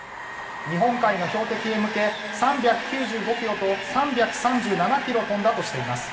日本海の標的へ向け３９５ｋｍと３３７ｋｍ飛んだとしています。